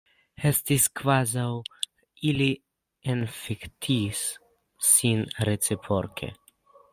Estis kvazaŭ ili infektis sin reciproke.